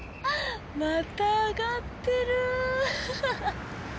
また上がってる。